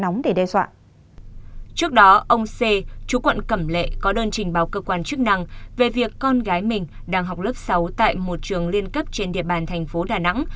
nói nặng về việc con gái mình đang học lớp sáu tại một trường liên cấp trên địa bàn thành phố đà nẵng